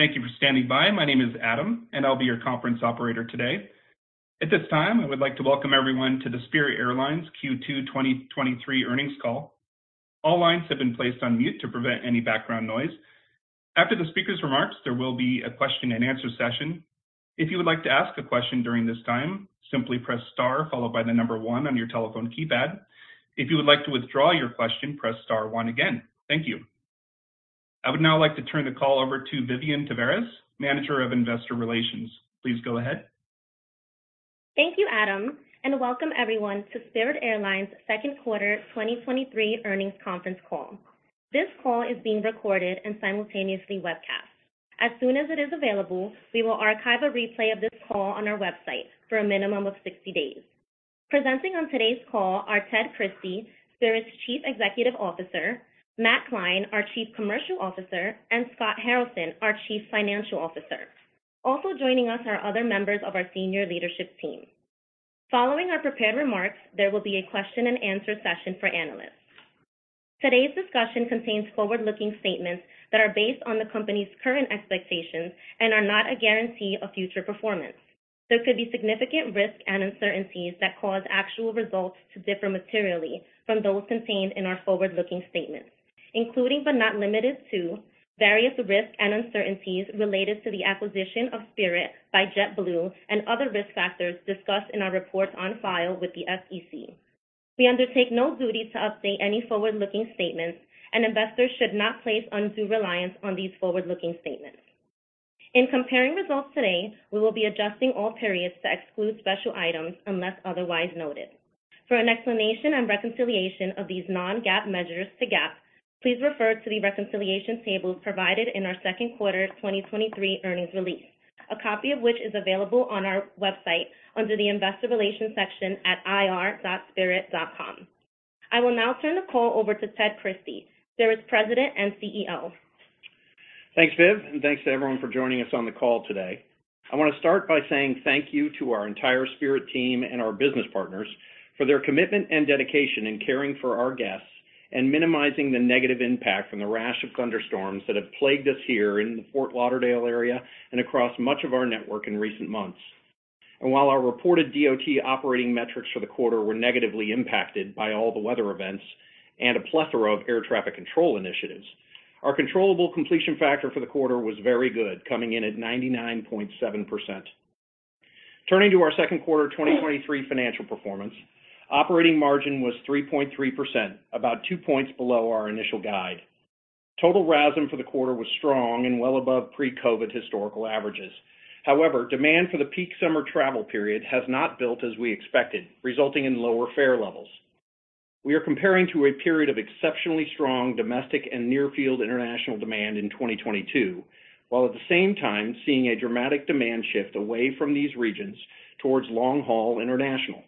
Thank you for standing by. My name is Adam. I'll be your conference operator today. At this time, I would like to welcome everyone to the Spirit Airlines Q2 2023 earnings call. All lines have been placed on mute to prevent any background noise. After the speaker's remarks, there will be a question-and-answer session. If you would like to ask a question during this time, simply press star followed by one on your telephone keypad. If you would like to withdraw your question, press star one again. Thank you. I would now like to turn the call over to Vivian Tavares, Manager of Investor Relations. Please go ahead. Thank you, Adam, and welcome everyone to Spirit Airlines second quarter 2023 earnings conference call. This call is being recorded and simultaneously webcast. As soon as it is available, we will archive a replay of this call on our website for a minimum of 60 days. Presenting on today's call are Ted Christie, Spirit's Chief Executive Officer, Matt Klein, our Chief Commercial Officer, and Scott Haralson, our Chief Financial Officer. Also joining us are other members of our senior leadership team. Following our prepared remarks, there will be a question-and-answer session for analysts. Today's discussion contains forward-looking statements that are based on the company's current expectations and are not a guarantee of future performance. There could be significant risks and uncertainties that cause actual results to differ materially from those contained in our forward-looking statements, including, but not limited to, various risks and uncertainties related to the acquisition of Spirit by JetBlue and other risk factors discussed in our reports on file with the SEC. Investors should not place undue reliance on these forward-looking statements. In comparing results today, we will be adjusting all periods to exclude special items unless otherwise noted. For an explanation and reconciliation of these non-GAAP measures to GAAP, please refer to the reconciliation tables provided in our second quarter 2023 earnings release, a copy of which is available on our website under the Investor Relations section at ir.spirit.com. I will now turn the call over to Ted Christie, Spirit's President and CEO. Thanks, Viv, thanks to everyone for joining us on the call today. I want to start by saying thank you to our entire Spirit team and our business partners for their commitment and dedication in caring for our guests and minimizing the negative impact from the rash of thunderstorms that have plagued us here in the Fort Lauderdale area and across much of our network in recent months. While our reported DOT operating metrics for the quarter were negatively impacted by all the weather events and a plethora of air traffic control initiatives, our controllable completion factor for the quarter was very good, coming in at 99.7%. Turning to our second quarter 2023 financial performance, operating margin was 3.3%, about 2 points below our initial guide. Total RASM for the quarter was strong and well above pre-COVID historical averages. However, demand for the peak summer travel period has not built as we expected, resulting in lower fare levels. We are comparing to a period of exceptionally strong domestic and near field international demand in 2022, while at the same time seeing a dramatic demand shift away from these regions towards long-haul international.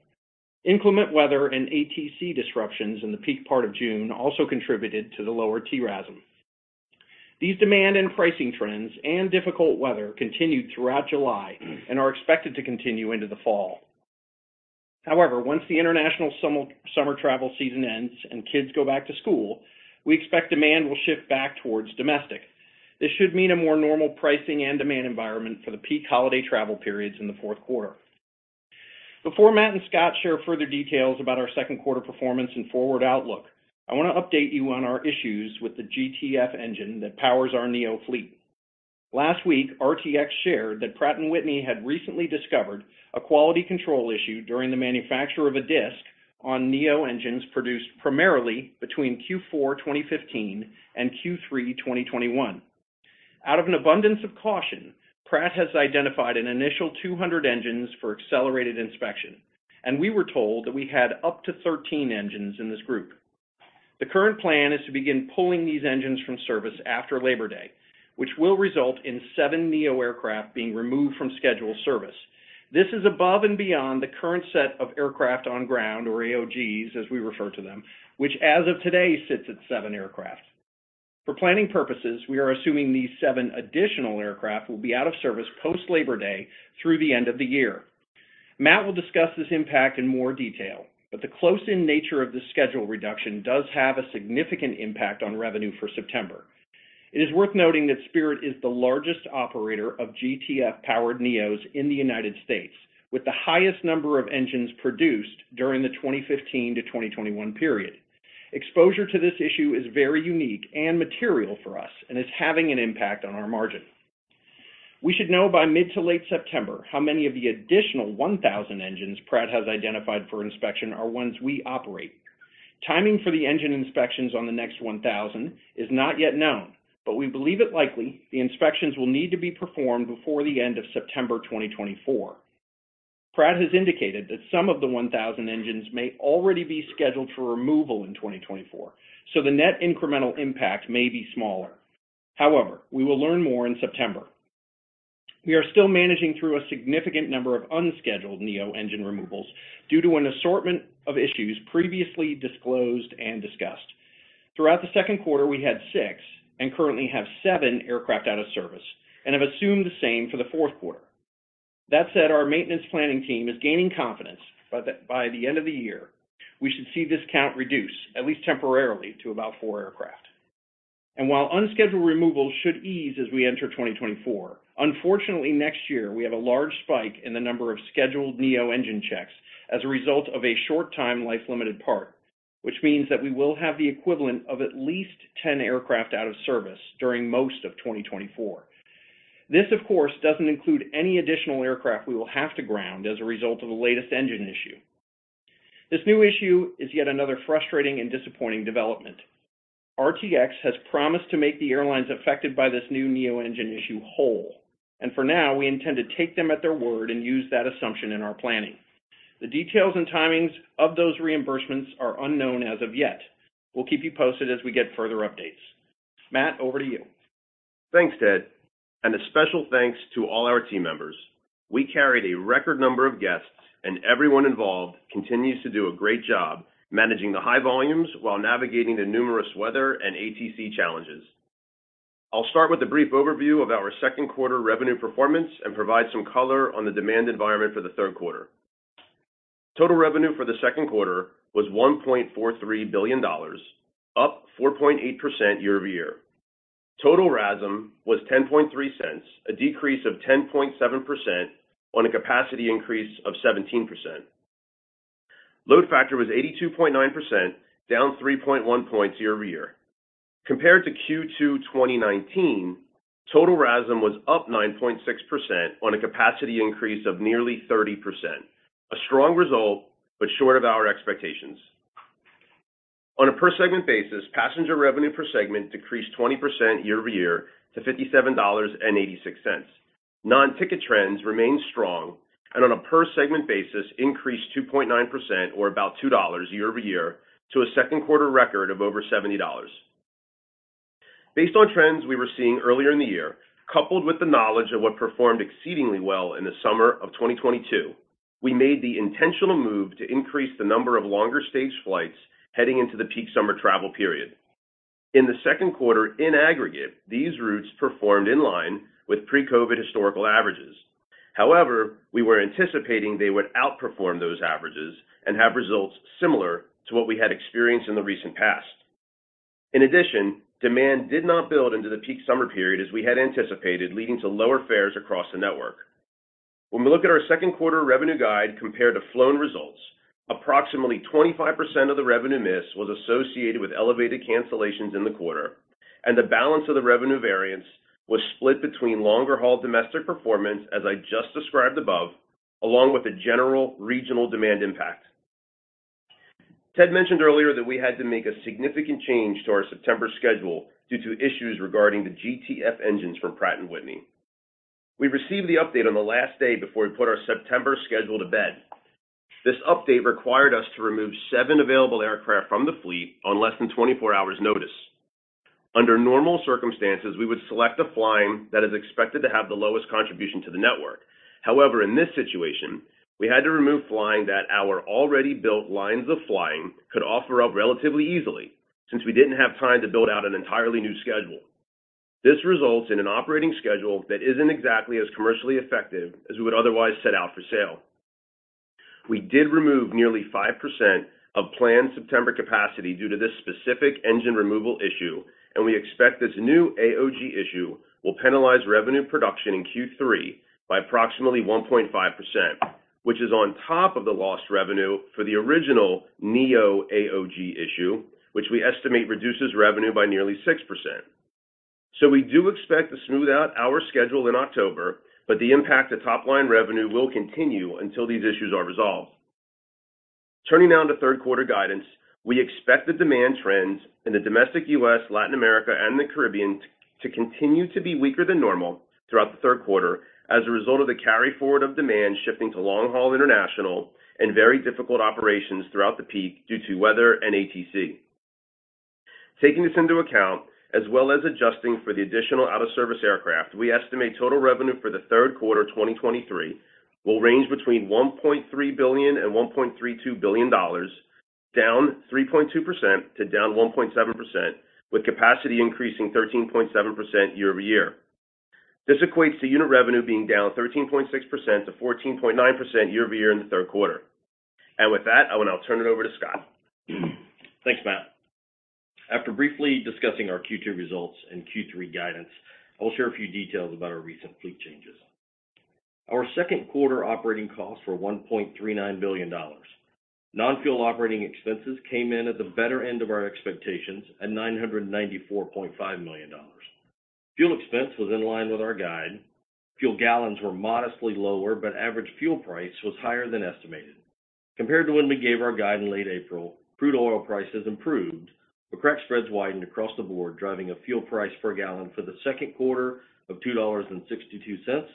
Inclement weather and ATC disruptions in the peak part of June also contributed to the lower T-RASM. These demand and pricing trends and difficult weather continued throughout July and are expected to continue into the fall. However, once the international summer travel season ends and kids go back to school, we expect demand will shift back towards domestic. This should mean a more normal pricing and demand environment for the peak holiday travel periods in the fourth quarter. Before Matt and Scott share further details about our second quarter performance and forward outlook, I want to update you on our issues with the GTF engine that powers our neo fleet. Last week, RTX shared that Pratt & Whitney had recently discovered a quality control issue during the manufacture of a disk on neo engines produced primarily between Q4 2015 and Q3 2021. Out of an abundance of caution, Pratt has identified an initial 200 engines for accelerated inspection, and we were told that we had up to 13 engines in this group. The current plan is to begin pulling these engines from service after Labor Day, which will result in 7 neo aircraft being removed from scheduled service. This is above and beyond the current set of aircraft on ground, or AOGs, as we refer to them, which as of today, sits at 7 aircraft. For planning purposes, we are assuming these 7 additional aircraft will be out of service post-Labor Day through the end of the year. Matt will discuss this impact in more detail, but the close-in nature of this schedule reduction does have a significant impact on revenue for September. It is worth noting that Spirit is the largest operator of GTF-powered neos in the United States, with the highest number of engines produced during the 2015 to 2021 period. Exposure to this issue is very unique and material for us and is having an impact on our margin. We should know by mid to late September how many of the additional 1,000 engines Pratt has identified for inspection are ones we operate. Timing for the engine inspections on the next 1,000 is not yet known, but we believe it likely the inspections will need to be performed before the end of September 2024. Pratt has indicated that some of the 1,000 engines may already be scheduled for removal in 2024, so the net incremental impact may be smaller. However, we will learn more in September. We are still managing through a significant number of unscheduled neo engine removals due to an assortment of issues previously disclosed and discussed. Throughout the second quarter, we had 6 and currently have 7 aircraft out of service and have assumed the same for the fourth quarter. That said, our maintenance planning team is gaining confidence that by the end of the year, we should see this count reduce, at least temporarily, to about 4 aircraft. While unscheduled removal should ease as we enter 2024, unfortunately, next year we have a large spike in the number of scheduled neo-engine checks as a result of a short time life-limited part, which means that we will have the equivalent of at least 10 aircraft out of service during most of 2024. This, of course, doesn't include any additional aircraft we will have to ground as a result of the latest engine issue. This new issue is yet another frustrating and disappointing development. RTX has promised to make the airlines affected by this new neo-engine issue whole, and for now, we intend to take them at their word and use that assumption in our planning. The details and timings of those reimbursements are unknown as of yet. We'll keep you posted as we get further updates. Matt, over to you. Thanks, Ted, and a special thanks to all our team members. We carried a record number of guests, and everyone involved continues to do a great job managing the high volumes while navigating the numerous weather and ATC challenges. I'll start with a brief overview of our second quarter revenue performance and provide some color on the demand environment for the third quarter. Total revenue for the second quarter was $1.43 billion, up 4.8% year-over-year. Total RASM was $0.103, a decrease of 10.7% on a capacity increase of 17%. Load factor was 82.9%, down 3.1 points year-over-year. Compared to Q2, 2019, total RASM was up 9.6% on a capacity increase of nearly 30%. A strong result, but short of our expectations. On a per-segment basis, passenger revenue per segment decreased 20% year-over-year to $57.86. Non-ticket trends remained strong and on a per-segment basis, increased 2.9% or about $2 year-over-year to a second quarter record of over $70. Based on trends we were seeing earlier in the year, coupled with the knowledge of what performed exceedingly well in the summer of 2022, we made the intentional move to increase the number of longer-stage flights heading into the peak summer travel period. In the second quarter, in aggregate, these routes performed in line with pre-COVID historical averages. However, we were anticipating they would outperform those averages and have results similar to what we had experienced in the recent past. In addition, demand did not build into the peak summer period as we had anticipated, leading to lower fares across the network. When we look at our second quarter revenue guide compared to flown results, approximately 25% of the revenue miss was associated with elevated cancellations in the quarter, and the balance of the revenue variance was split between longer-haul domestic performance, as I just described above, along with a general regional demand impact. Ted mentioned earlier that we had to make a significant change to our September schedule due to issues regarding the GTF engines from Pratt & Whitney. We received the update on the last day before we put our September schedule to bed. This update required us to remove seven available aircraft from the fleet on less than 24 hours notice. Under normal circumstances, we would select a flying that is expected to have the lowest contribution to the network. However, in this situation, we had to remove flying that our already built lines of flying could offer up relatively easily, since we didn't have time to build out an entirely new schedule. This results in an operating schedule that isn't exactly as commercially effective as we would otherwise set out for sale. We did remove nearly 5% of planned September capacity due to this specific engine removal issue, and we expect this new AOG issue will penalize revenue production in Q3 by approximately 1.5%, which is on top of the lost revenue for the original neo AOG issue, which we estimate reduces revenue by nearly 6%. We do expect to smooth out our schedule in October, but the impact to top-line revenue will continue until these issues are resolved. Turning now to third quarter guidance, we expect the demand trends in the domestic U.S., Latin America, and the Caribbean to continue to be weaker than normal throughout the third quarter as a result of the carry forward of demand shifting to long-haul international and very difficult operations throughout the peak due to weather and ATC. Taking this into account, as well as adjusting for the additional out-of-service aircraft, we estimate total revenue for the third quarter 2023 will range between $1.3 billion and $1.32 billion, down 3.2% to down 1.7%, with capacity increasing 13.7% year-over-year. This equates to unit revenue being down 13.6%-14.9% year-over-year in the third quarter. With that, I will now turn it over to Scott. Thanks, Matt. After briefly discussing our Q2 results and Q3 guidance, I will share a few details about our recent fleet changes. Our second quarter operating costs were $1.39 billion. Non-fuel operating expenses came in at the better end of our expectations at $994.5 million. Fuel expense was in line with our guide. Fuel gallons were modestly lower, but average fuel price was higher than estimated. Compared to when we gave our guide in late April, crude oil prices improved, but crack spreads widened across the board, driving a fuel price per gallon for the second quarter of $2.62,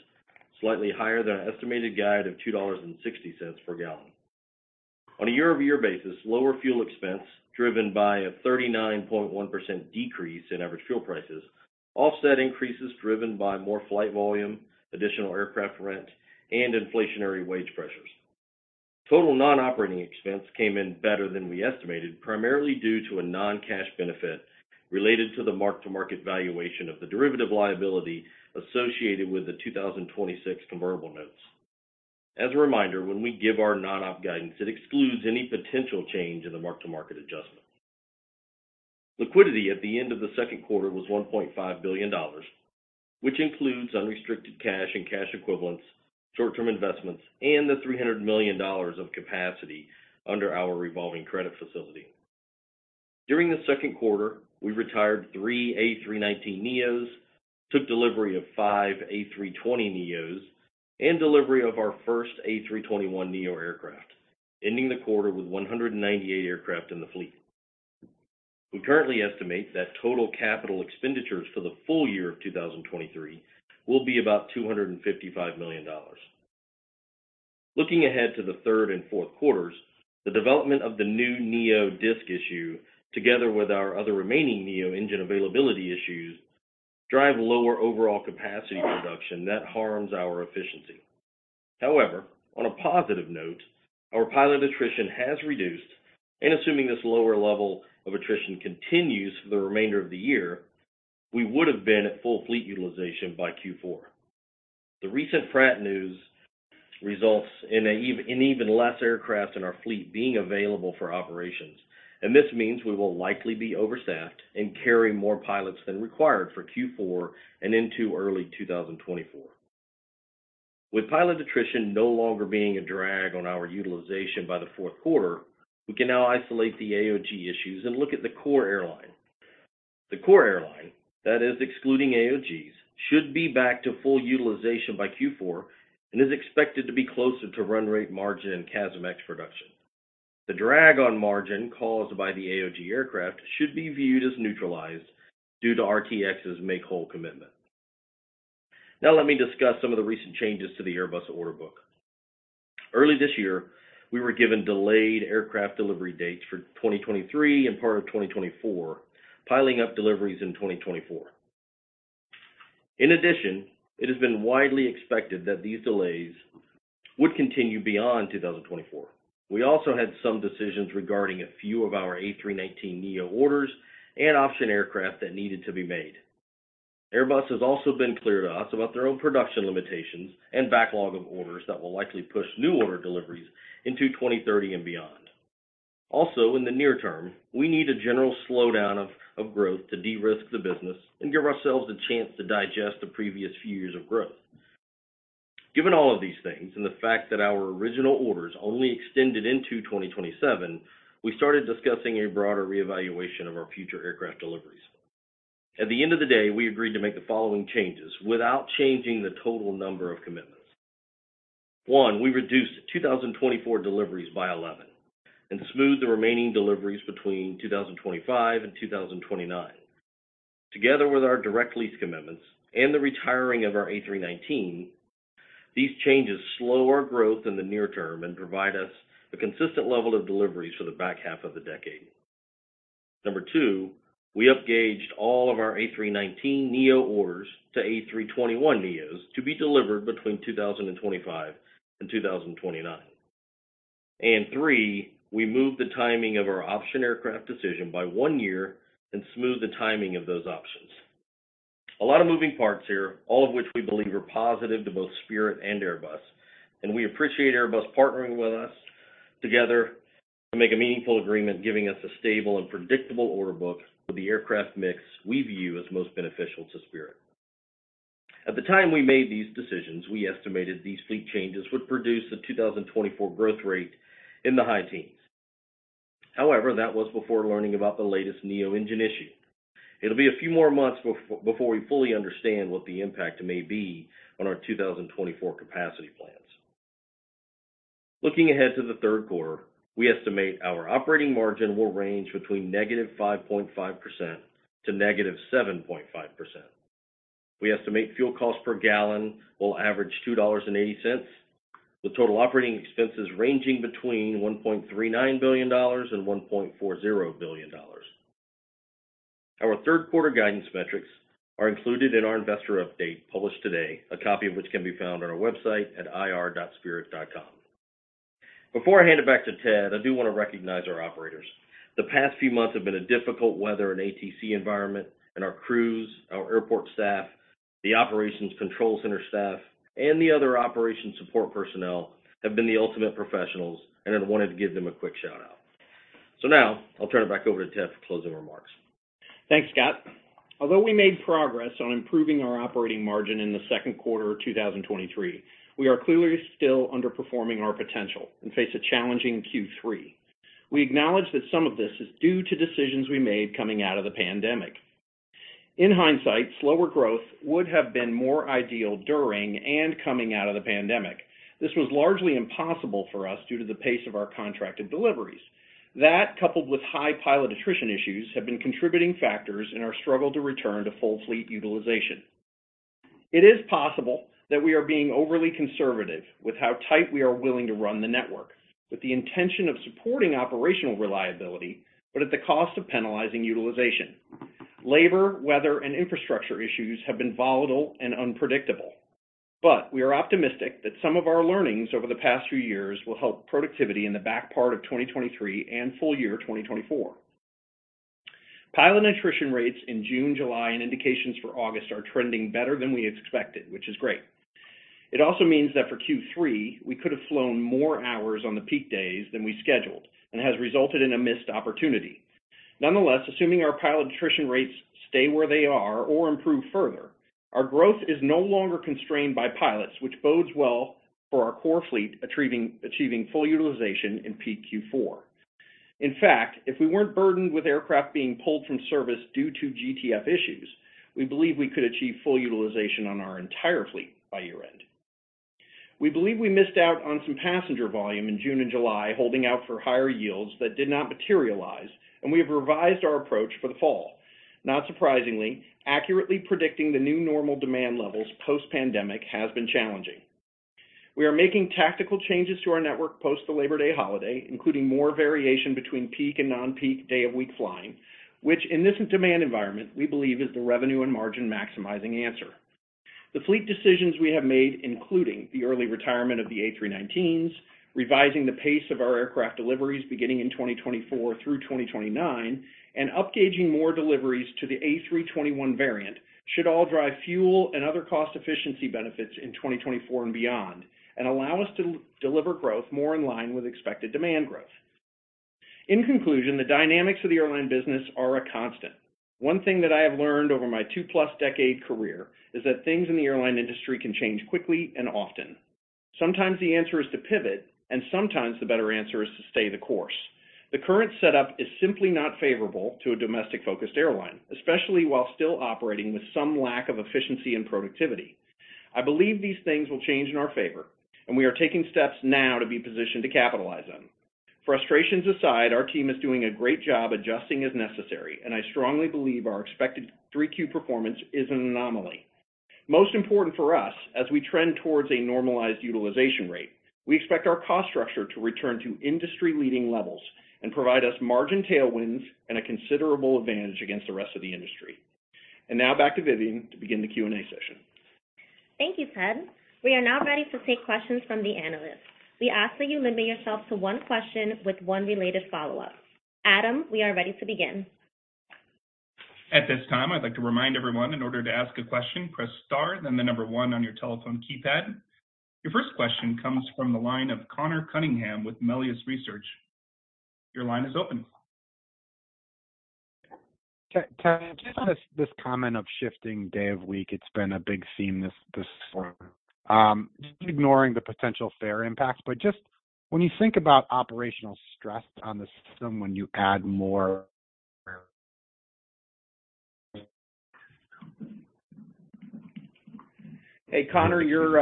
slightly higher than an estimated guide of $2.60 per gallon. On a year-over-year basis, lower fuel expense, driven by a 39.1% decrease in average fuel prices, offset increases driven by more flight volume, additional aircraft rent, and inflationary wage pressures. Total non-operating expense came in better than we estimated, primarily due to a non-cash benefit related to the mark-to-market valuation of the derivative liability associated with the 2026 convertible notes. As a reminder, when we give our non-op guidance, it excludes any potential change in the mark-to-market adjustment. Liquidity at the end of the second quarter was $1.5 billion, which includes unrestricted cash and cash equivalents, short-term investments, and the $300 million of capacity under our revolving credit facility. During the second quarter, we retired 3 A319neos, took delivery of 5 A320neos, and delivery of our first A321neo aircraft, ending the quarter with 198 aircraft in the fleet. We currently estimate that total capital expenditures for the full year of 2023 will be about $255 million. Looking ahead to the third and fourth quarters, the development of the new NEO disk issue, together with our other remaining NEO engine availability issues, drive lower overall capacity production that harms our efficiency. On a positive note, our pilot attrition has reduced, and assuming this lower level of attrition continues for the remainder of the year, we would have been at full fleet utilization by Q4. The recent Pratt & Whitney news results in an even less aircraft in our fleet being available for operations, This means we will likely be overstaffed and carry more pilots than required for Q4 and into early 2024. With pilot attrition no longer being a drag on our utilization by the fourth quarter, we can now isolate the AOG issues and look at the core airline. The core airline, that is, excluding AOGs, should be back to full utilization by Q4 and is expected to be closer to run rate margin and CASMx production. The drag on margin caused by the AOG aircraft should be viewed as neutralized due to RTX's make-whole commitment. Now let me discuss some of the recent changes to the Airbus order book. Early this year, we were given delayed aircraft delivery dates for 2023 and part of 2024, piling up deliveries in 2024. In addition, it has been widely expected that these delays would continue beyond 2024. We also had some decisions regarding a few of our A319neo orders and option aircraft that needed to be made. Airbus has also been clear to us about their own production limitations and backlog of orders that will likely push new order deliveries into 2030 and beyond. Also, in the near term, we need a general slowdown of, of growth to de-risk the business and give ourselves a chance to digest the previous few years of growth. Given all of these things, and the fact that our original orders only extended into 2027, we started discussing a broader reevaluation of our future aircraft deliveries. At the end of the day, we agreed to make the following changes without changing the total number of commitments. One, we reduced 2024 deliveries by 11 and smoothed the remaining deliveries between 2025 and 2029. Together with our direct lease commitments and the retiring of our A319, these changes slow our growth in the near term and provide us a consistent level of deliveries for the back half of the decade. Number two, we upgauged all of our A319neo orders to A321neos to be delivered between 2025 and 2029. Three, we moved the timing of our option aircraft decision by 1 year and smoothed the timing of those options. A lot of moving parts here, all of which we believe are positive to both Spirit and Airbus, and we appreciate Airbus partnering with us together to make a meaningful agreement, giving us a stable and predictable order book with the aircraft mix we view as most beneficial to Spirit. At the time we made these decisions, we estimated these fleet changes would produce a 2024 growth rate in the high teens. However, that was before learning about the latest neo engine issue. It'll be a few more months before we fully understand what the impact may be on our 2024 capacity plans. Looking ahead to the third quarter, we estimate our operating margin will range between -5.5% to -7.5%. We estimate fuel costs per gallon will average $2.80, with total operating expenses ranging between $1.39 billion and $1.40 billion. Our third quarter guidance metrics are included in our investor update, published today, a copy of which can be found on our website at ir.spirit.com. Before I hand it back to Ted, I do want to recognize our operators. The past few months have been a difficult weather and ATC environment, and our crews, our airport staff, the operations control center staff, and the other operation support personnel have been the ultimate professionals, and I wanted to give them a quick shout-out. Now I'll turn it back over to Ted for closing remarks. Thanks, Scott. Although we made progress on improving our operating margin in the second quarter of 2023, we are clearly still underperforming our potential and face a challenging Q3. We acknowledge that some of this is due to decisions we made coming out of the pandemic. In hindsight, slower growth would have been more ideal during and coming out of the pandemic. This was largely impossible for us due to the pace of our contracted deliveries. That, coupled with high pilot attrition issues, have been contributing factors in our struggle to return to full fleet utilization. It is possible that we are being overly conservative with how tight we are willing to run the network, with the intention of supporting operational reliability, but at the cost of penalizing utilization. Labor, weather, and infrastructure issues have been volatile and unpredictable. We are optimistic that some of our learnings over the past few years will help productivity in the back part of 2023 and full year 2024. Pilot attrition rates in June, July, and indications for August are trending better than we expected, which is great. It also means that for Q3, we could have flown more hours on the peak days than we scheduled and has resulted in a missed opportunity. Nonetheless, assuming our pilot attrition rates stay where they are or improve further, our growth is no longer constrained by pilots, which bodes well for our core fleet, achieving full utilization in peak Q4. In fact, if we weren't burdened with aircraft being pulled from service due to GTF issues, we believe we could achieve full utilization on our entire fleet by year-end. We believe we missed out on some passenger volume in June and July, holding out for higher yields that did not materialize, and we have revised our approach for the fall. Not surprisingly, accurately predicting the new normal demand levels post-pandemic has been challenging. We are making tactical changes to our network post the Labor Day holiday, including more variation between peak and non-peak day of week flying, which in this demand environment, we believe is the revenue and margin-maximizing answer. The fleet decisions we have made, including the early retirement of the A319s, revising the pace of our aircraft deliveries beginning in 2024 through 2029, and upgauging more deliveries to the A321 variant, should all drive fuel and other cost efficiency benefits in 2024 and beyond and allow us to deliver growth more in line with expected demand growth. In conclusion, the dynamics of the airline business are a constant. One thing that I have learned over my two-plus decade career is that things in the airline industry can change quickly and often. Sometimes the answer is to pivot, and sometimes the better answer is to stay the course. The current setup is simply not favorable to a domestic-focused airline, especially while still operating with some lack of efficiency and productivity. I believe these things will change in our favor, and we are taking steps now to be positioned to capitalize on them. Frustrations aside, our team is doing a great job adjusting as necessary, and I strongly believe our expected three-Q performance is an anomaly. Most important for us, as we trend towards a normalized utilization rate, we expect our cost structure to return to industry-leading levels and provide us margin tailwinds and a considerable advantage against the rest of the industry. Now back to Vivian to begin the Q&A session. Thank you, Ted. We are now ready to take questions from the analysts. We ask that you limit yourself to one question with one related follow-up. Adam, we are ready to begin. At this time, I'd like to remind everyone, in order to ask a question, press Star, then the number one on your telephone keypad. Your first question comes from the line of Conor Cunningham with Melius Research. Your line is open. Ted, just this, this comment of shifting day of week, it's been a big theme this, this far. Just ignoring the potential fare impacts, but just when you think about operational stress on the system, when you add more- Hey, Connor, you're...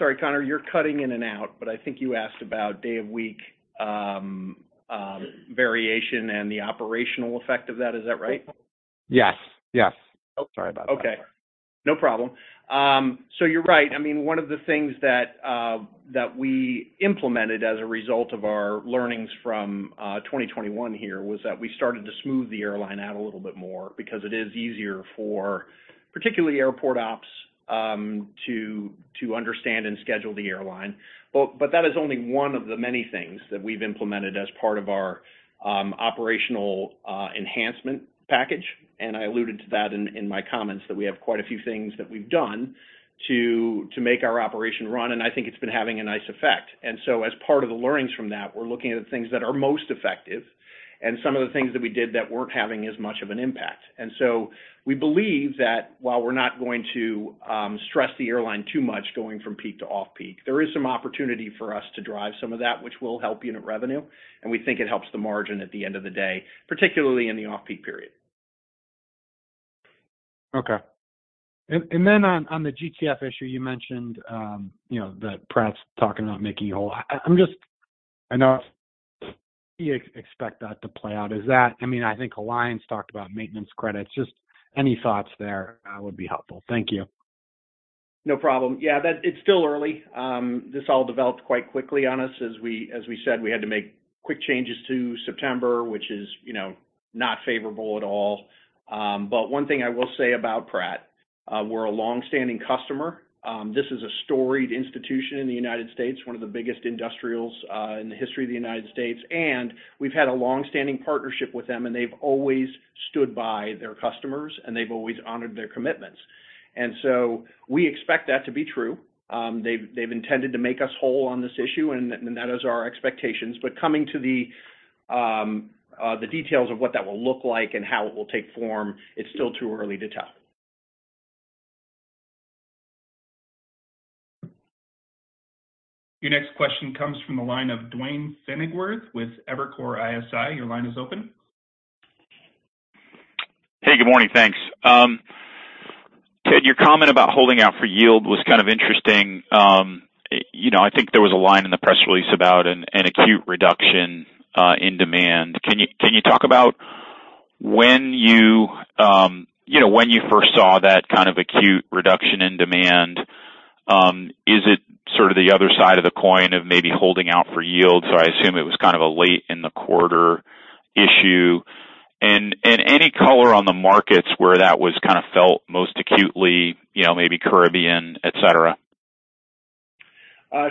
Sorry, Connor, you're cutting in and out, but I think you asked about day of week, variation and the operational effect of that. Is that right? Yes, yes. Sorry about that. Okay. No problem. You're right. I mean, one of the things that we implemented as a result of our learnings from 2021 here was that we started to smooth the airline out a little bit more because it is easier for, particularly airport ops, to understand and schedule the airline. That is only one of the many things that we've implemented as part of our operational enhancement package, and I alluded to that in my comments, that we have quite a few things that we've done to make our operation run, and I think it's been having a nice effect. As part of the learnings from that, we're looking at the things that are most effective and some of the things that we did that weren't having as much of an impact. We believe that while we're not going to stress the airline too much going from peak to off-peak, there is some opportunity for us to drive some of that, which will help unit revenue, and we think it helps the margin at the end of the day, particularly in the off-peak period. Okay. Then on the GTF issue, you mentioned, you know, that Pratt's talking about making whole. I know you expect that to play out. I mean, I think Alliance talked about maintenance credits. Just any thoughts there would be helpful. Thank you. No problem. Yeah, it's still early. This all developed quite quickly on us. As we, as we said, we had to make quick changes to September, which is, you know, not favorable at all. One thing I will say about Pratt, we're a long-standing customer. This is a storied institution in the United States, one of the biggest industrials in the history of the United States, and we've had a long-standing partnership with them, and they've always stood by their customers, and they've always honored their commitments. We expect that to be true. They've, they've intended to make us whole on this issue, and that is our expectations. Coming to the details of what that will look like and how it will take form, it's still too early to tell. Your next question comes from the line of Duane Pfennigwerth with Evercore ISI. Your line is open. Hey, good morning. Thanks. Ted, your comment about holding out for yield was kind of interesting. You know, I think there was a line in the press release about an, an acute reduction in demand. Can you, can you talk about when you, you know, when you first saw that kind of acute reduction in demand? Is it sort of the other side of the coin of maybe holding out for yield? I assume it was kind of a late in the quarter issue. Any color on the markets where that was kind of felt most acutely, you know, maybe Caribbean, et cetera?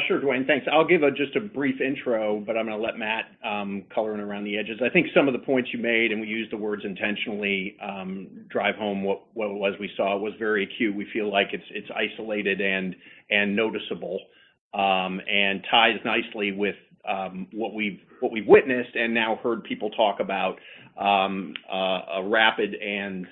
Sure, Duane, thanks. I'll give just a brief intro, but I'm gonna let Matt color in around the edges. I think some of the points you made, and we use the words intentionally, drive home what, what was we saw was very acute. We feel like it's, it's isolated and noticeable, and ties nicely with what we've, what we've witnessed and now heard people talk about a rapid and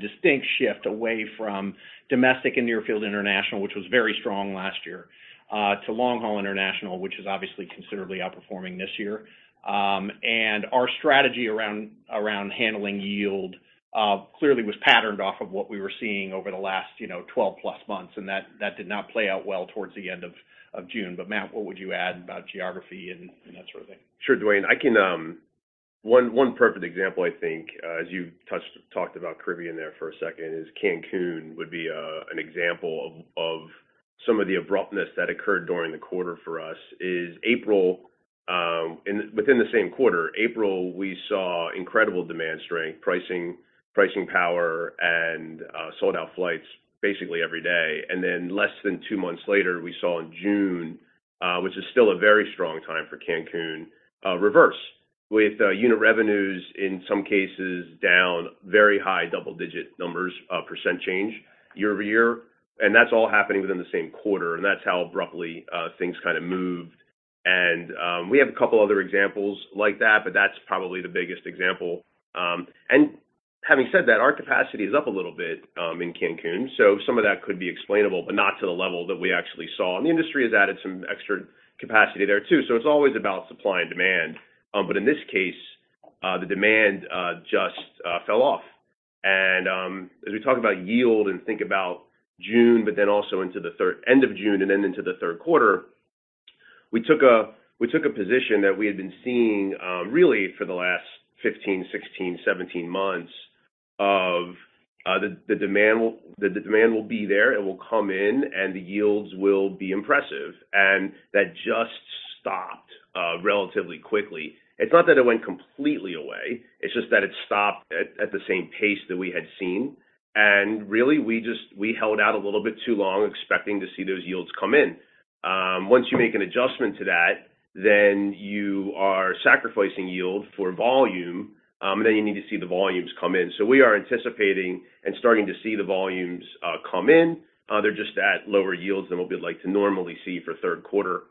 distinct shift away from domestic and near field international, which was very strong last year, to long-haul international, which is obviously considerably outperforming this year. Our strategy around, around handling yield, clearly was patterned off of what we were seeing over the last, you know, 12-plus months, and that, that did not play out well towards the end of June. Matt, what would you add about geography and, and that sort of thing? Sure, Duane. I can. One perfect example, I think, as you talked about Caribbean there for a second, is Cancun would be an example of some of the abruptness that occurred during the quarter for us, is April. Within the same quarter, April, we saw incredible demand strength, pricing, pricing power, and sold-out flights basically every day. Then less than 2 months later, we saw in June, which is still a very strong time for Cancun, reverse, with unit revenues in some cases down very high double-digit % change year-over-year. That's all happening within the same quarter, and that's how abruptly things kind of moved. We have a couple other examples like that, but that's probably the biggest example. Having said that, our capacity is up a little bit in Cancun, so some of that could be explainable, but not to the level that we actually saw. The industry has added some extra capacity there, too, so it's always about supply and demand. But in this case, the demand just fell off. As we talk about yield and think about June, but then also into the end of June and then into the third quarter, we took a position that we had been seeing for the last 15, 16, 17 months of the demand will be there, it will come in, and the yields will be impressive. That just stopped relatively quickly. It's not that it went completely away, it's just that it stopped at the same pace that we had seen. Really, we held out a little bit too long, expecting to see those yields come in. Once you make an adjustment to that, then you are sacrificing yield for volume, then you need to see the volumes come in. We are anticipating and starting to see the volumes come in. They're just at lower yields than we'd like to normally see for third quarter.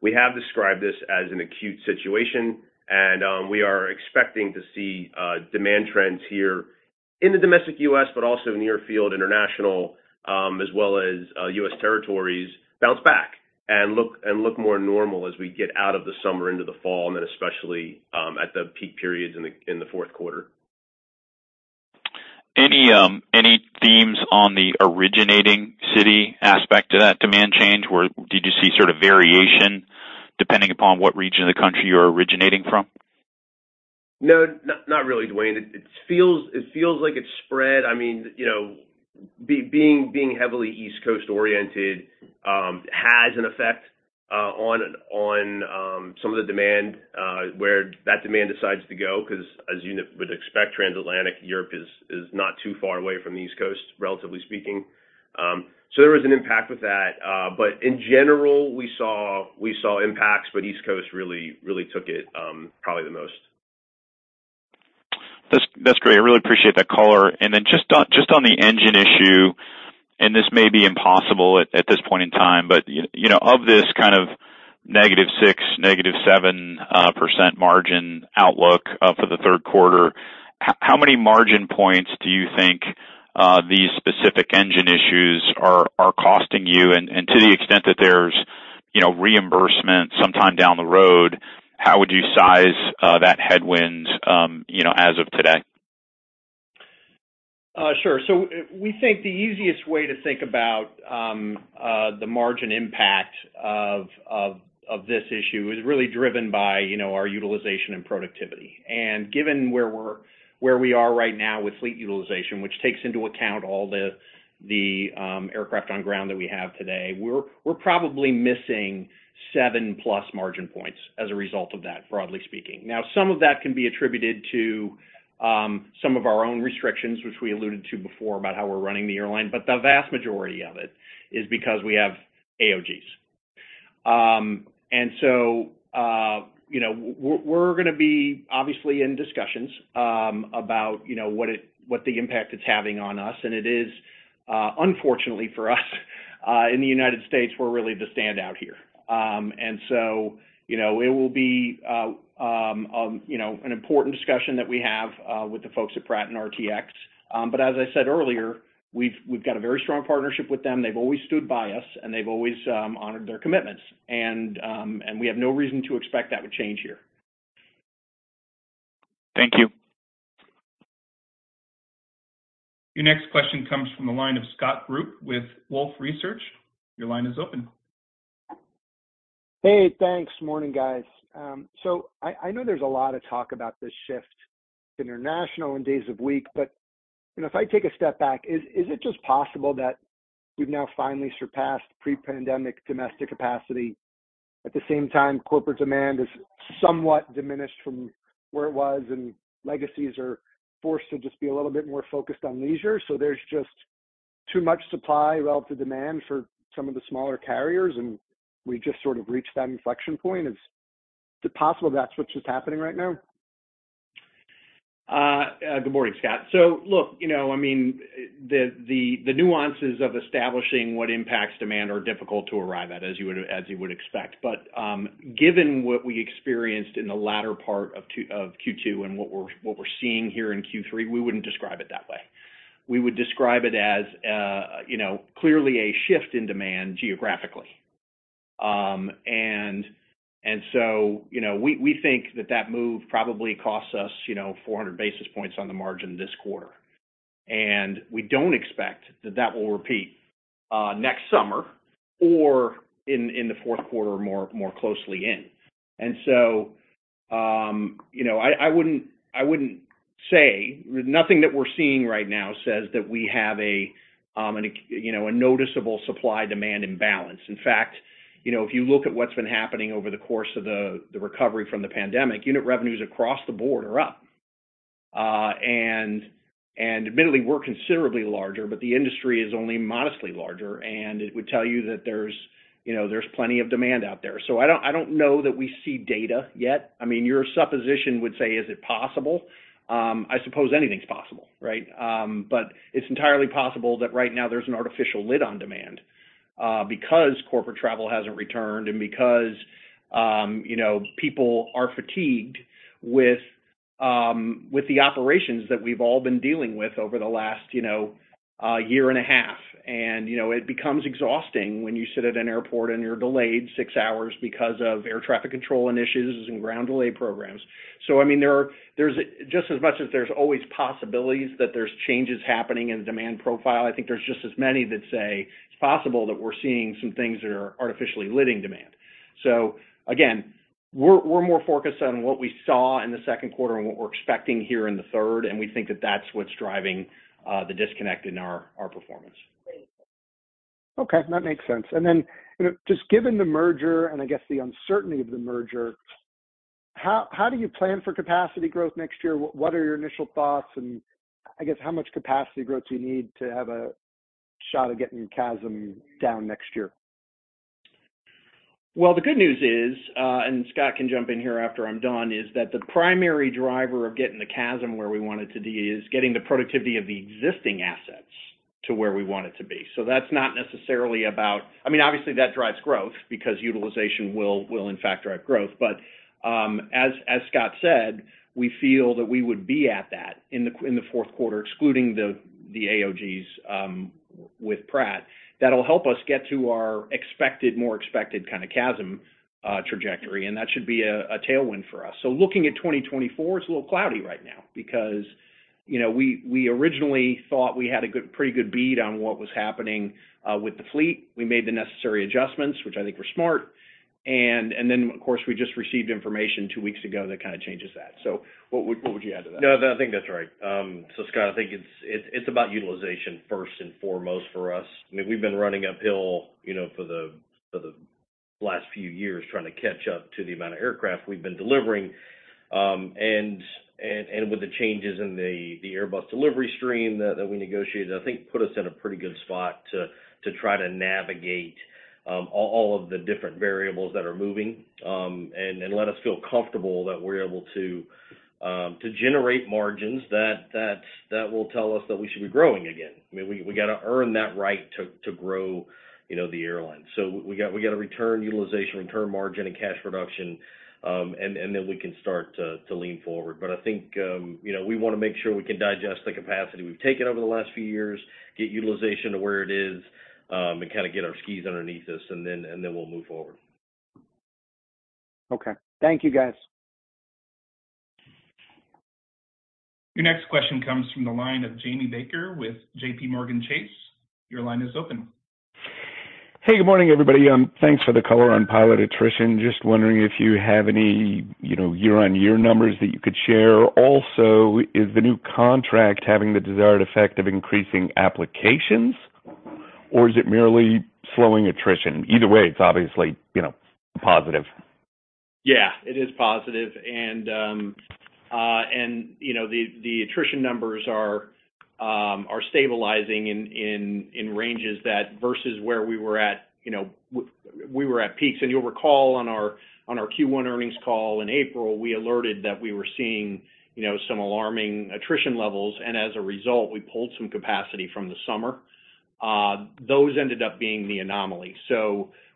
We have described this as an acute situation, and we are expecting to see demand trends here in the domestic U.S., but also in near field, international, as well as U.S. territories, bounce back and look, and look more normal as we get out of the summer into the fall, and then especially, at the peak periods in the, in the fourth quarter. Any, any themes on the originating city aspect to that demand change, where did you see sort of variation depending upon what region of the country you're originating from? No, not, not really, Duane. It, it feels, it feels like it's spread. I mean, you know, being, being heavily East Coast-oriented, has an effect, on, on, some of the demand, where that demand decides to go, because as you would expect, transatlantic Europe is, is not too far away from the East Coast, relatively speaking. There was an impact with that. In general, we saw, we saw impacts, but East Coast really, really took it, probably the most. That's, that's great. I really appreciate that color. Then just on, just on the engine issue, and this may be impossible at, at this point in time, but, you know, of this kind of negative 6, negative 7% margin outlook for the third quarter, how many margin points do you think these specific engine issues are costing you? To the extent that there's, you know, reimbursement sometime down the road, how would you size that headwind, you know, as of today? Sure. We think the easiest way to think about the margin impact of this issue is really driven by, you know, our utilization and productivity. Given where we are right now with fleet utilization, which takes into account all the aircraft on ground that we have today, we're probably missing 7+ margin points as a result of that, broadly speaking. Some of that can be attributed to some of our own restrictions, which we alluded to before, about how we're running the airline, but the vast majority of it is because we have AOGs. So, you know, we're, we're gonna be obviously in discussions about, you know, what the impact it's having on us. It is, unfortunately for us, in the United States, we're really the standout here. So, you know, it will be, you know, an important discussion that we have with the folks at Pratt & RTX. As I said earlier, we've, we've got a very strong partnership with them. They've always stood by us, and they've always honored their commitments. We have no reason to expect that would change here. Thank you. Your next question comes from the line of Scott Group with Wolfe Research. Your line is open. Hey, thanks. Morning, guys. I, I know there's a lot of talk about this shift international and days of week, you know, if I take a step back, is it just possible that we've now finally surpassed pre-pandemic domestic capacity? At the same time, corporate demand is somewhat diminished from where it was, legacies are forced to just be a little bit more focused on leisure. There's just too much supply relative to demand for some of the smaller carriers, we just sort of reached that inflection point. Is it possible that's what's just happening right now? Good morning, Scott. Look, you know, I mean, the nuances of establishing what impacts demand are difficult to arrive at, as you would, as you would expect. Given what we experienced in the latter part of Q2 and what we're, what we're seeing here in Q3, we wouldn't describe it that way. We would describe it as, you know, clearly a shift in demand geographically. So, you know, we think that that move probably costs us, you know, 400 basis points on the margin this quarter. We don't expect that that will repeat next summer or in, in the fourth quarter, more, more closely in. So, you know, I, I wouldn't-- I wouldn't say... Nothing that we're seeing right now says that we have a, an, you know, a noticeable supply-demand imbalance. In fact, you know, if you look at what's been happening over the course of the, the recovery from the pandemic, unit revenues across the board are up. And admittedly, we're considerably larger, but the industry is only modestly larger, and it would tell you that there's, you know, there's plenty of demand out there. I don't, I don't know that we see data yet. I mean, your supposition would say, is it possible? I suppose anything's possible, right? But it's entirely possible that right now there's an artificial lid on demand, because corporate travel hasn't returned and because, you know, people are fatigued with the operations that we've all been dealing with over the last, you know, year and a half. You know, it becomes exhausting when you sit at an airport, and you're delayed six hours because of air traffic control initiatives and ground delay programs. There's just as much as there's always possibilities that there's changes happening in the demand profile, I think there's just as many that say it's possible that we're seeing some things that are artificially lidding demand. Again, we're, we're more focused on what we saw in the second quarter and what we're expecting here in the third, and we think that that's what's driving the disconnect in our, our performance. Okay, that makes sense. You know, just given the merger, and I guess the uncertainty of the merger, how, how do you plan for capacity growth next year? What are your initial thoughts, and I guess, how much capacity growth do you need to have a shot of getting the CASM down next year? Well, the good news is, Scott can jump in here after I'm done, is that the primary driver of getting the CASM where we want it to be is getting the productivity of the existing assets to where we want it to be. That's not necessarily I mean, obviously, that drives growth because utilization will, will in fact, drive growth. As, as Scott said, we feel that we would be at that in the fourth quarter, excluding the AOGs, with Pratt. That'll help us get to our expected, more expected kind of CASM trajectory, and that should be a tailwind for us. Looking at 2024, it's a little cloudy right now because, you know, we, we originally thought we had a pretty good bead on what was happening with the fleet. We made the necessary adjustments, which I think were smart, and then, of course, we just received information two weeks ago that kind of changes that. What would you add to that? No, I think that's right. Scott, I think it's about utilization first and foremost for us. I mean, we've been running uphill, you know, for the last few years trying to catch up to the amount of aircraft we've been delivering. With the changes in the Airbus delivery stream that we negotiated, I think put us in a pretty good spot to try to navigate all of the different variables that are moving, and let us feel comfortable that we're able to generate margins that will tell us that we should be growing again. I mean, we got to earn that right to grow, you know, the airline. We got to return utilization, return margin, and cash production, and then we can start to lean forward. I think, you know, we want to make sure we can digest the capacity we've taken over the last few years, get utilization to where it is, and kind of get our skis underneath us, and then we'll move forward. Okay. Thank you, guys. Your next question comes from the line of Jamie Baker with JPMorgan Chase. Your line is open. Hey, good morning, everybody. Thanks for the color on pilot attrition. Just wondering if you have any, you know, year-over-year numbers that you could share. Is the new contract having the desired effect of increasing applications, or is it merely slowing attrition? Either way, it's obviously, you know, positive. Yeah, it is positive. You know, the attrition numbers are stabilizing in ranges that versus where we were at, you know, we were at peaks. You'll recall on our Q1 earnings call in April, we alerted that we were seeing, you know, some alarming attrition levels, and as a result, we pulled some capacity from the summer. Those ended up being the anomaly.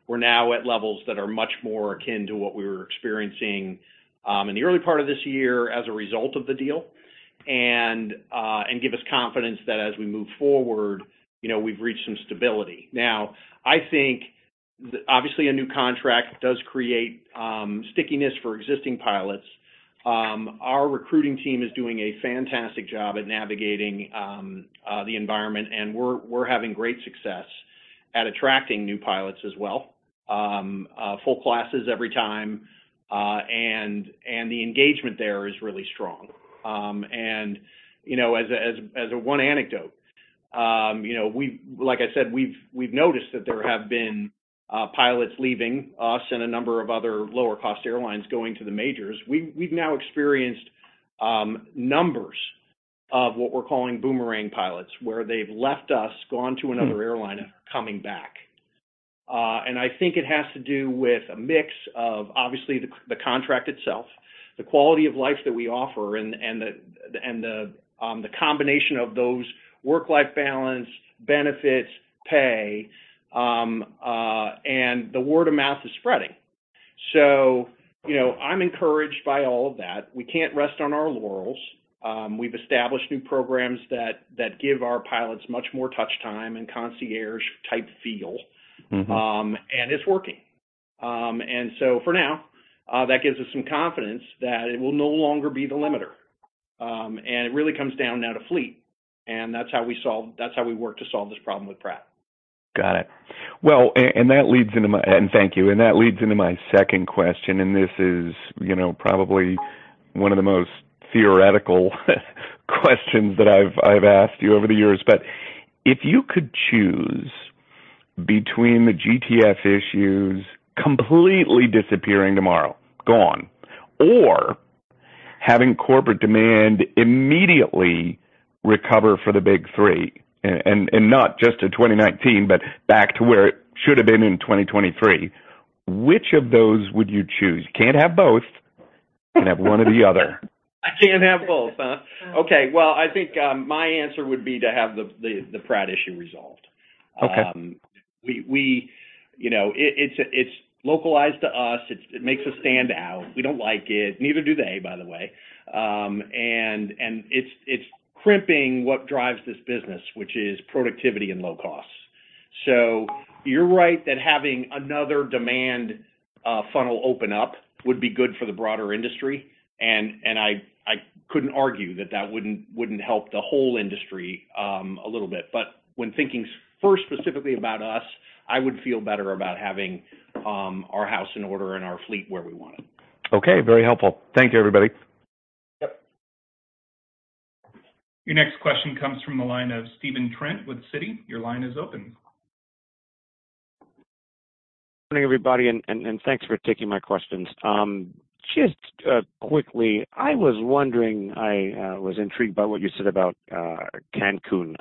We're now at levels that are much more akin to what we were experiencing in the early part of this year as a result of the deal, and give us confidence that as we move forward, you know, we've reached some stability. I think obviously, a new contract does create stickiness for existing pilots. Our recruiting team is doing a fantastic job at navigating the environment, and we're, we're having great success at attracting new pilots as well. Full classes every time, and, and the engagement there is really strong. You know, as a, as, as a one anecdote, you know, like I said, we've, we've noticed that there have been pilots leaving us and a number of other lower-cost airlines going to the majors. We've, we've now experienced numbers of what we're calling boomerang pilots, where they've left us, gone to another airline, and are coming back. I think it has to do with a mix of obviously the, the contract itself, the quality of life that we offer, and, and the, and the combination of those work-life balance, benefits, pay, and the word of mouth is spreading. You know, I'm encouraged by all of that. We can't rest on our laurels. We've established new programs that, that give our pilots much more touch time and concierge-type feel. It's working. For now, that gives us some confidence that it will no longer be the limiter. It really comes down now to fleet, and that's how we solve-- that's how we work to solve this problem with Pratt. Got it. Well, and that leads into my... Thank you, and that leads into my second question, and this is, you know, probably one of the most theoretical, questions that I've asked you over the years. If you could choose between the GTF issues completely disappearing tomorrow, gone, or having corporate demand immediately recover for the big three, and not just to 2019, but back to where it should have been in 2023, which of those would you choose? You can't have both. You can have one or the other. I can't have both, huh? Okay, well, I think, my answer would be to have the, the, the Pratt issue resolved. Okay. We, you know, it, it's, it's localized to us. It, it makes us stand out. We don't like it, neither do they, by the way. It's, it's crimping what drives this business, which is productivity and low costs. You're right that having another demand funnel open up would be good for the broader industry, and, and I, I couldn't argue that that wouldn't, wouldn't help the whole industry a little bit. When thinking first specifically about us, I would feel better about having our house in order and our fleet where we want it. Okay, very helpful. Thank you, everybody. Yep. Your next question comes from the line of Stephen Trent with Citi. Your line is open. Good morning, everybody, thanks for taking my questions. Just quickly, I was wondering, I was intrigued by what you said about Cancun.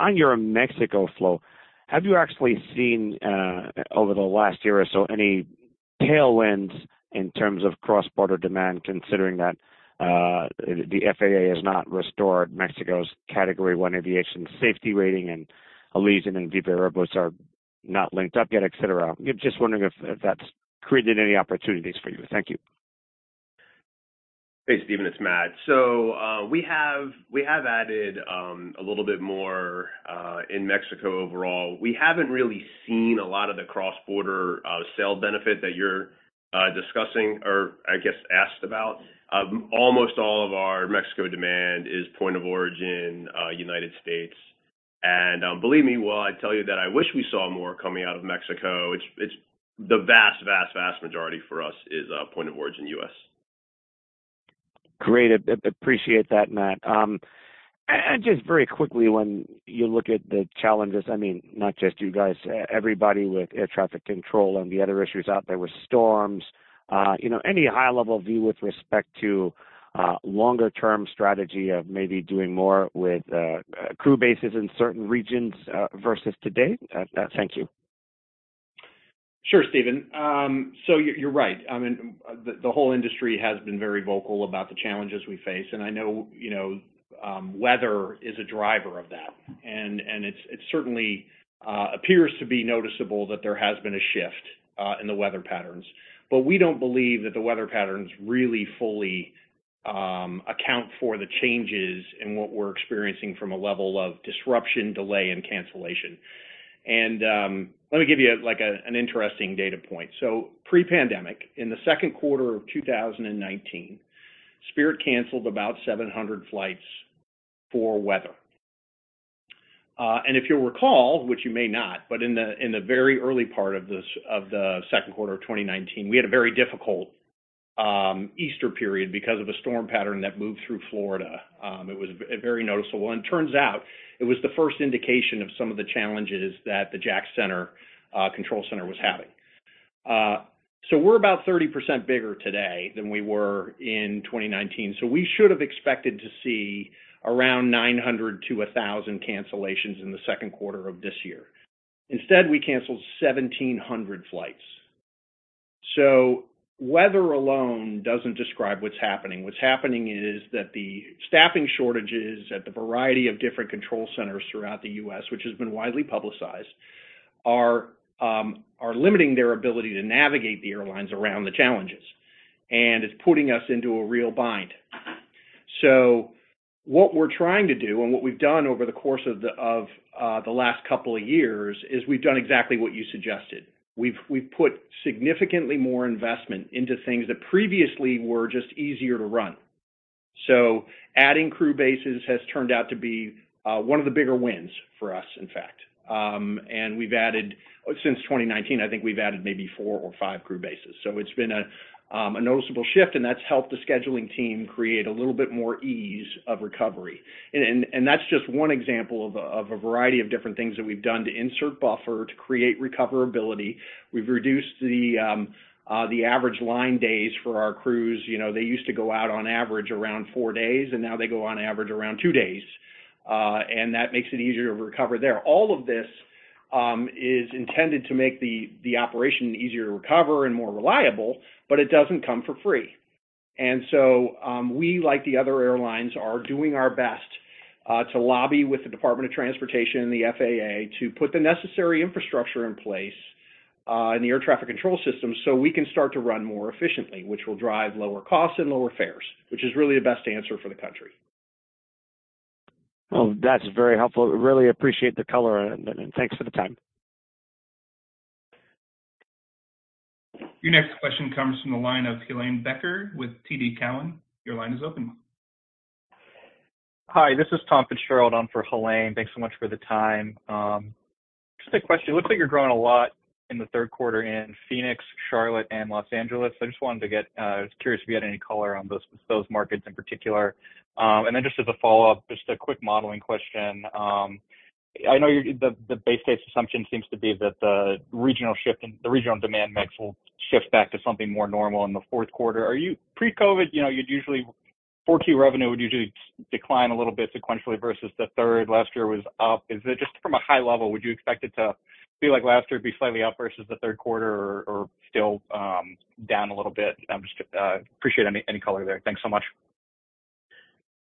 On your Mexico flow, have you actually seen over the last year or so, any tailwinds in terms of cross-border demand, considering that the FAA has not restored Mexico's Category 1 Aviation Safety Rating, and Allegiant and Viva Aerobus are not linked up yet, et cetera? I'm just wondering if, if that's created any opportunities for you. Thank you. Hey, Stephen, it's Matt. We have, we have added a little bit more in Mexico overall. We haven't really seen a lot of the cross-border sale benefit that you're discussing or I guess asked about. Almost all of our Mexico demand is point of origin United States. Believe me, while I tell you that I wish we saw more coming out of Mexico, it's, it's the vast, vast, vast majority for us is point of origin U.S. Great. Appreciate that, Matt. Just very quickly, when you look at the challenges, I mean, not just you guys, everybody with air traffic control and the other issues out there with storms, you know, any high-level view with respect to longer term strategy of maybe doing more with crew bases in certain regions versus today? Thank you. Sure, Stephen. You're, you're right. I mean, the, the whole industry has been very vocal about the challenges we face, I know, you know, weather is a driver of that. It's-- it certainly appears to be noticeable that there has been a shift in the weather patterns. We don't believe that the weather patterns really fully account for the changes in what we're experiencing from a level of disruption, delay, and cancellation. Let me give you, like, an interesting data point. Pre-pandemic, in the second quarter of 2019, Spirit canceled about 700 flights for weather. If you'll recall, which you may not, but in the very early part of the second quarter of 2019, we had a very difficult Easter period because of a storm pattern that moved through Florida. It was very noticeable, and turns out it was the first indication of some of the challenges that the Jax Center control center was having. We're about 30% bigger today than we were in 2019, so we should have expected to see around 900 to 1,000 cancellations in the second quarter of this year. Instead, we canceled 1,700 flights. Weather alone doesn't describe what's happening. What's happening is that the staffing shortages at the variety of different control centers throughout the U.S., which has been widely publicized, are limiting their ability to navigate the airlines around the challenges, and it's putting us into a real bind. What we're trying to do, and what we've done over the course of the, of the last couple of years, is we've done exactly what you suggested. We've put significantly more investment into things that previously were just easier to run. Adding crew bases has turned out to be one of the bigger wins for us, in fact. Since 2019, I think we've added maybe four or five crew bases. It's been a noticeable shift, and that's helped the scheduling team create a little bit more ease of recovery. That's just one example of a variety of different things that we've done to insert buffer, to create recoverability. We've reduced the average line days for our crews. You know, they used to go out on average around 4 days, and now they go on average around 2 days, and that makes it easier to recover there. All of this is intended to make the, the operation easier to recover and more reliable, but it doesn't come for free. We, like the other airlines, are doing our best to lobby with the Department of Transportation and the FAA to put the necessary infrastructure in place in the air traffic control system so we can start to run more efficiently, which will drive lower costs and lower fares, which is really the best answer for the country. That's very helpful. We really appreciate the color on it, and thanks for the time. Your next question comes from the line of Helane Becker with TD Cowen. Your line is open. Hi, this is Tom Fitzgerald. I'm for Helane. Thanks so much for the time. Just a question, it looks like you're growing a lot in the third quarter in Phoenix, Charlotte, and Los Angeles. I was curious if you had any color on those markets in particular. Just as a follow-up, just a quick modeling question. I know the base case assumption seems to be that the regional shift and the regional demand mix will shift back to something more normal in the fourth quarter. Pre-COVID, you know, 4Q revenue would usually decline a little bit sequentially versus the third. Last year was up. Is it, just from a high level, would you expect it to be like last year, it'd be slightly up versus the third quarter or, or still, down a little bit? I'm just appreciate any, any color there. Thanks so much.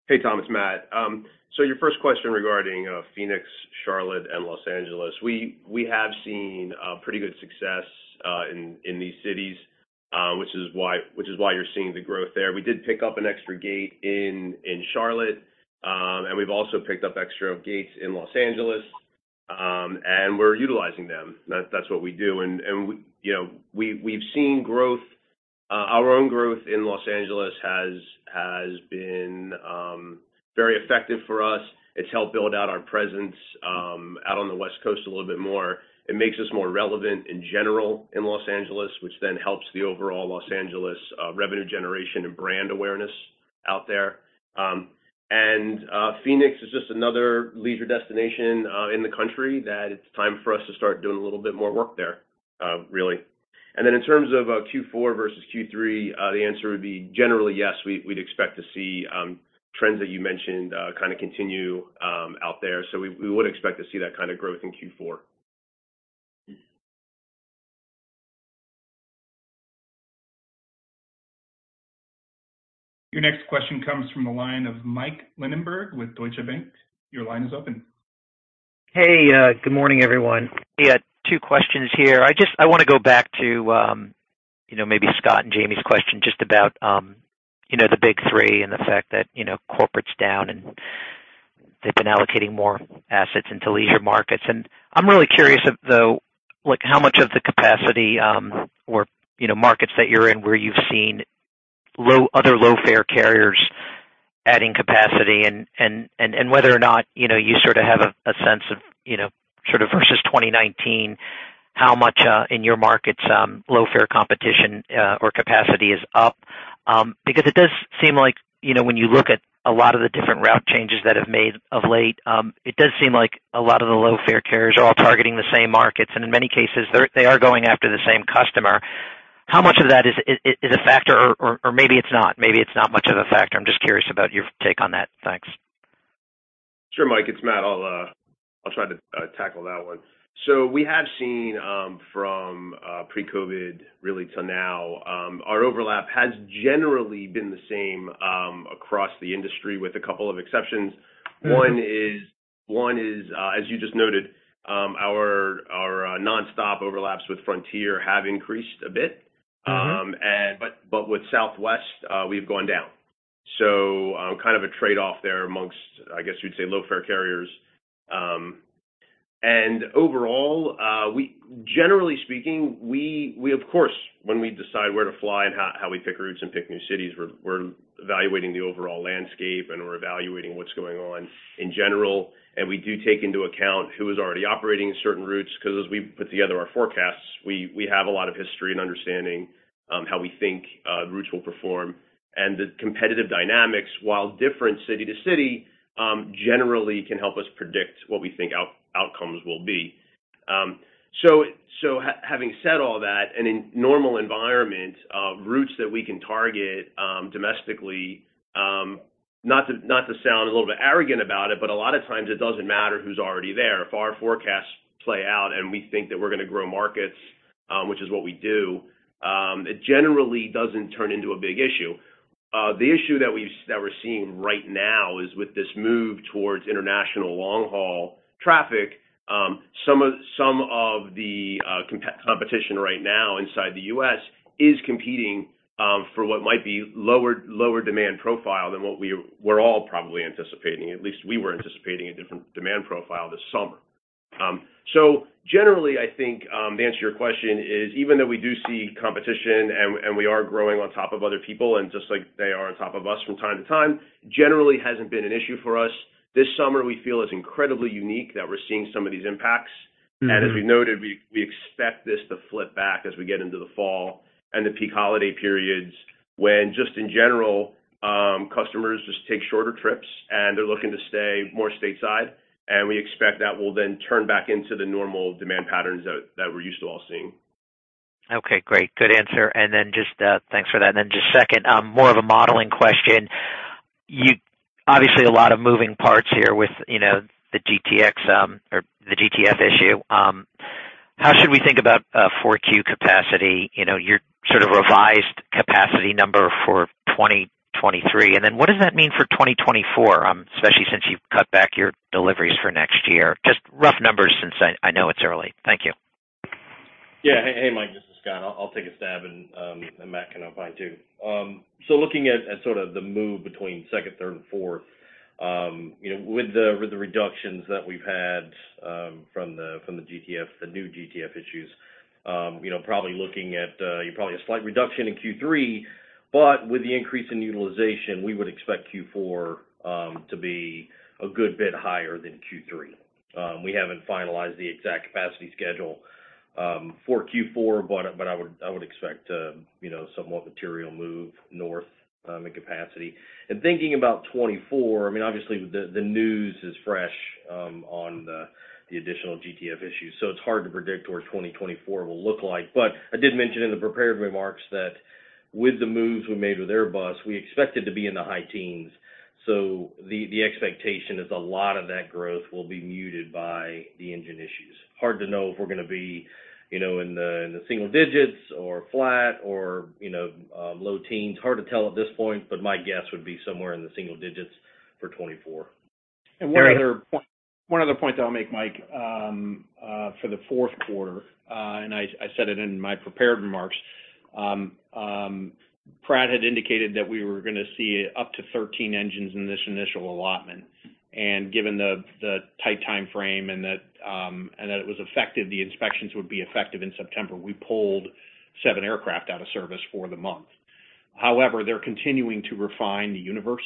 Hey, Tom, it's Matt. Your first question regarding Phoenix, Charlotte, and Los Angeles. We, we have seen pretty good success in these cities, which is why, which is why you're seeing the growth there. We did pick up an extra gate in, in Charlotte, we've also picked up extra gates in Los Angeles, and we're utilizing them. That's what we do. You know, we've, we've seen growth. Our own growth in Los Angeles has, has been very effective for us. It's helped build out our presence out on the West Coast a little bit more. It makes us more relevant in general in Los Angeles, which then helps the overall Los Angeles revenue generation and brand awareness out there. Phoenix is just another leisure destination in the country that it's time for us to start doing a little bit more work there. In terms of Q4 versus Q3, the answer would be generally yes, we'd expect to see trends that you mentioned kind of continue out there. We would expect to see that kind of growth in Q4. Your next question comes from the line of Michael Linenberg with Deutsche Bank. Your line is open. Hey, good morning, everyone. Yeah, two questions here. I just-- I want to go back to, you know, maybe Scott and Jamie's question just about, you know, the big three and the fact that, you know, corporate's down and they've been allocating more assets into leisure markets. I'm really curious, though, like, how much of the capacity, or you know, markets that you're in, where you've seen low-- other low-fare carriers adding capacity and, and, and, and whether or not, you know, you sort of have a, a sense of, you know, sort of versus 2019, how much, in your markets, low-fare competition, or capacity is up? Because it does seem like, you know, when you look at a lot of the different route changes that have made of late, it does seem like a lot of the low-fare carriers are all targeting the same markets, and in many cases, they are going after the same customer. How much of that is a factor or maybe it's not? Maybe it's not much of a factor. I'm just curious about your take on that. Thanks. Sure, Mike, it's Matt. I'll try to tackle that one. We have seen from pre-COVID really to now, our overlap has generally been the same across the industry, with a couple of exceptions. One is, as you just noted, our nonstop overlaps with Frontier have increased a bit. But, but with Southwest, we've gone down. Kind of a trade-off there amongst, I guess you'd say, low-fare carriers. Overall, generally speaking, we, of course, when we decide where to fly and how we pick routes and pick new cities, we're evaluating the overall landscape, and we're evaluating what's going on in general. We do take into account who is already operating certain routes, because as we put together our forecasts, we, we have a lot of history and understanding how we think routes will perform. The competitive dynamics, while different city to city, generally can help us predict what we think outcomes will be. Having said all that, in normal environment, routes that we can target domestically, not to, not to sound a little bit arrogant about it, but a lot of times it doesn't matter who's already there. If our forecasts play out and we think that we're going to grow markets, which is what we do, it generally doesn't turn into a big issue. The issue that we're seeing right now is with this move towards international long-haul traffic, some of the competition right now inside the U.S. is competing for what might be lower, lower demand profile than what we were all probably anticipating. At least we were anticipating a different demand profile this summer. Generally, I think, to answer your question is, even though we do see competition and we are growing on top of other people, and just like they are on top of us from time to time, generally hasn't been an issue for us. This summer, we feel, is incredibly unique that we're seeing some of these impacts. as we noted, we, we expect this to flip back as we get into the fall and the peak holiday periods, when just in general, customers just take shorter trips and they're looking to stay more stateside, and we expect that will then turn back into the normal demand patterns that, that we're used to all seeing. Okay, great. Good answer. Then just, thanks for that. Then just second, more of a modeling question: You obviously, a lot of moving parts here with, you know, the GTF, or the GTF issue. How should we think about 4Q capacity, you know, your sort of revised capacity number for 2023? Then what does that mean for 2024, especially since you've cut back your deliveries for next year? Just rough numbers since I, I know it's early. Thank you. Yeah. Hey, hey, Mike, this is Scott. I'll, I'll take a stab. Matt can hop in, too. Looking at, at sort of the move between second, third, and fourth, you know, with the, with the reductions that we've had from the, from the GTF, the new GTF issues, you know, probably looking at a slight reduction in Q3, with the increase in utilization, we would expect Q4 to be a good bit higher than Q3. We haven't finalized the exact capacity schedule for Q4, but I would expect, you know, somewhat material move north in capacity. Thinking about 2024, I mean, obviously, the, the news is fresh on the, the additional GTF issues, it's hard to predict what 2024 will look like. I did mention in the prepared remarks that with the moves we made with Airbus, we expected to be in the high teens, so the expectation is a lot of that growth will be muted by the engine issues. Hard to know if we're going to be, you know, in the single digits or flat or, you know, low teens. Hard to tell at this point, but my guess would be somewhere in the single digits for 2024. One other point. Terry? One other point that I'll make, Mike, for the fourth quarter, and I, I said it in my prepared remarks. Pratt had indicated that we were gonna see up to 13 engines in this initial allotment, and given the, the tight timeframe and that, and that it was effective, the inspections would be effective in September, we pulled 7 aircraft out of service for the month. However, they're continuing to refine the universe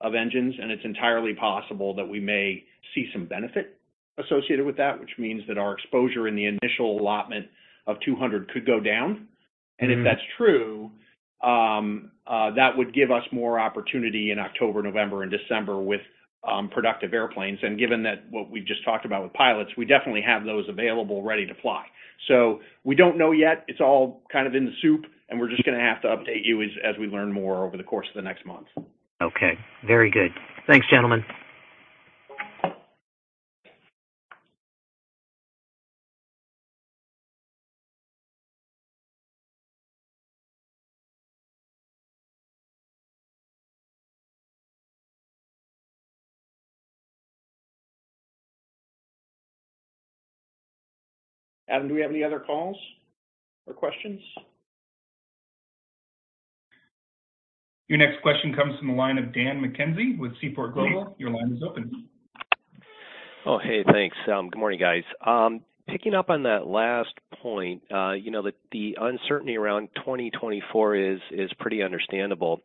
of engines, and it's entirely possible that we may see some benefit associated with that, which means that our exposure in the initial allotment of 200 could go down. If that's true, that would give us more opportunity in October, November, and December with productive airplanes. Given that what we've just talked about with pilots, we definitely have those available, ready to fly. We don't know yet. It's all kind of in the soup, and we're just gonna have to update you as, as we learn more over the course of the next month. Okay, very good. Thanks, gentlemen. Adam, do we have any other calls or questions? Your next question comes from the line of Dan McKenzie with Seaport Global. Great. Your line is open. Oh, hey, thanks. Good morning, guys. Picking up on that last point, you know, the, the uncertainty around 2024 is pretty understandable.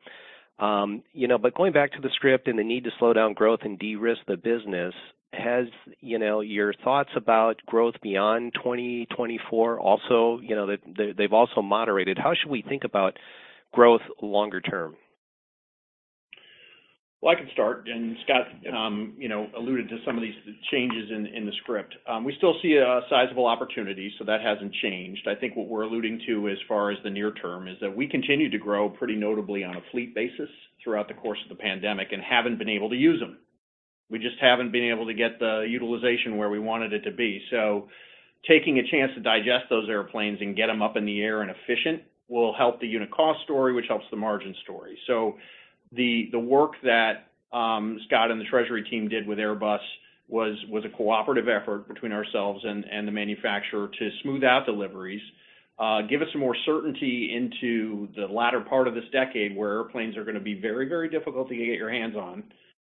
Going back to the script and the need to slow down growth and de-risk the business, has, you know, your thoughts about growth beyond 2024, also, you know, they've also moderated. How should we think about growth longer term? I can start, and Scott, you know, alluded to some of these changes in, in the script. We still see a sizable opportunity. That hasn't changed. I think what we're alluding to as far as the near term, is that we continue to grow pretty notably on a fleet basis throughout the course of the pandemic and haven't been able to use them. We just haven't been able to get the utilization where we wanted it to be. Taking a chance to digest those airplanes and get them up in the air and efficient, will help the unit cost story, which helps the margin story. The, the work that Scott and the treasury team did with Airbus was, was a cooperative effort between ourselves and, and the manufacturer to smooth out deliveries, give us some more certainty into the latter part of this decade, where airplanes are gonna be very, very difficult to get your hands on,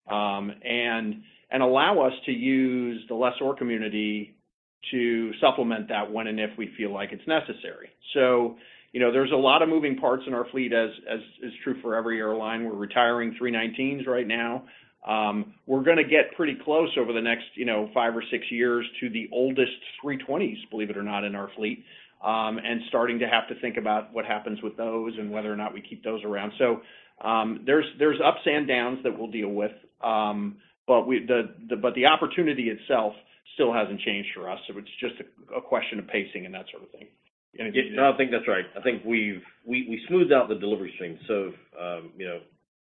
and, and allow us to use the lessor community to supplement that when and if we feel like it's necessary. You know, there's a lot of moving parts in our fleet, as, as is true for every airline. We're retiring Three Nineteens right now. We're gonna get pretty close over the next, you know, 5 or 6 years to the oldest Three Twentys, believe it or not, in our fleet, and starting to have to think about what happens with those and whether or not we keep those around. There's, there's ups and downs that we'll deal with, but the opportunity itself still hasn't changed for us. It's just a, a question of pacing and that sort of thing. No, I think that's right. I think we've... We, we smoothed out the delivery stream. You know,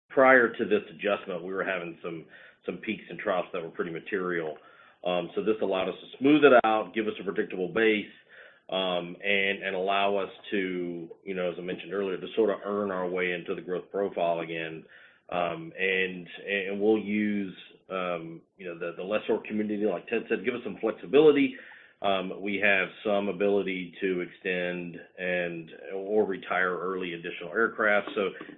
prior to this adjustment, we were having some, some peaks and troughs that were pretty material. This allowed us to smooth it out, give us a predictable base, and, and allow us to, you know, as I mentioned earlier, to sort of earn our way into the growth profile again. We'll use, you know, the, the lessor community, like Ted said, give us some flexibility.... We have some ability to extend and, or retire early additional aircraft.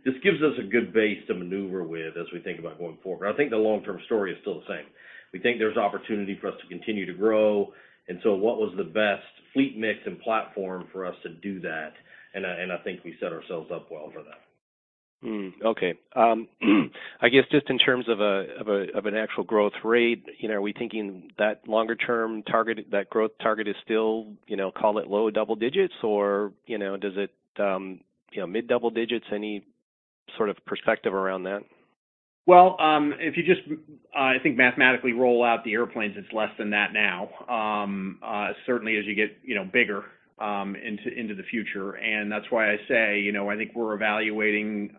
This gives us a good base to maneuver with as we think about going forward. I think the long-term story is still the same. We think there's opportunity for us to continue to grow, and so what was the best fleet mix and platform for us to do that? I think we set ourselves up well for that. Okay. I guess just in terms of an actual growth rate, you know, are we thinking that longer term target, that growth target is still, you know, call it low double digits? Or, you know, does it, mid-double digits, any sort of perspective around that? Well, if you just, I think mathematically roll out the airplanes, it's less than that now. Certainly as you get, you know, bigger, into, into the future. That's why I say, you know, I think we're evaluating